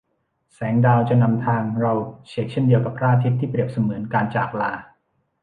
แสงดาวจะนำทางเราเฉกเช่นเดียวกับพระอาทิตย์ที่เปรียบเสมือนการจากลา